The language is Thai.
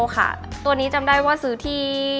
ค่ะตัวนี้จำได้ว่าซื้อที่